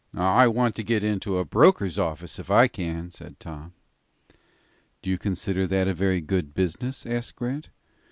"I want to get into a broker's office if I can," said Tom. "Do you consider that a very good business?" asked Grant.